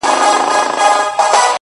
هغه لونگ چي شعر وايي سندرې وايي!!